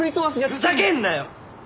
ふざけんなよ！